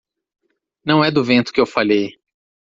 Não é do vento que eu falei.